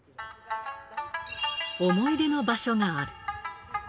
思い出の場所がある。